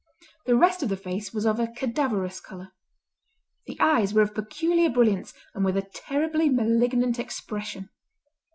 The rest of the face was of a cadaverous colour. The eyes were of peculiar brilliance and with a terribly malignant expression.